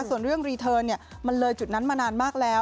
ส่วนเรื่องรีเทิร์นมันเลยจุดนั้นมานานมากแล้ว